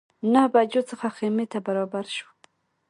نهه بجو څخه خیمې ته برابر شوو.